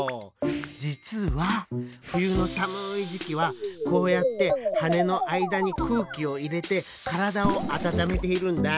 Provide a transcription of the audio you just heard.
じつはふゆのさむいじきはこうやってはねのあいだにくうきをいれてからだをあたためているんだ。